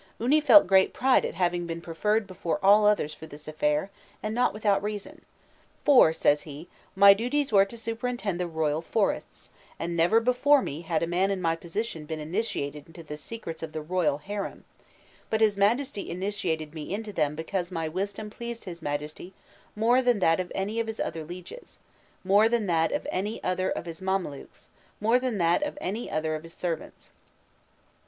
Uni felt great pride at having been preferred before all others for this affair, and not without reason, "for," says he, "my duties were to superintend the royal forests, and never before me had a man in my position been initiated into the secrets of the Royal Harem; but his Majesty initiated me into them because my wisdom pleased his Majesty more than that of any other of his lieges, more than that of any other of his mamelukes, more than that of any other of his servants."